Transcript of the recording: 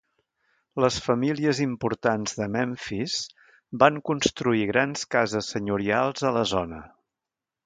Les famílies importants de Memphis van construir grans cases senyorials a la zona.